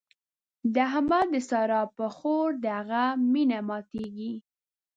د احمد د سارا پر خور د هغې مينه ماتېږي.